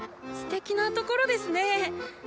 すてきなところですね！